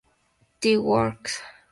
The Works.